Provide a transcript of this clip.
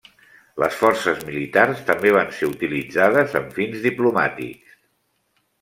Les forces militars també van ser utilitzades amb fins diplomàtics.